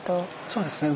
そうですね